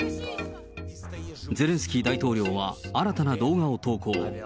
ゼレンスキー大統領は新たな動画を投稿。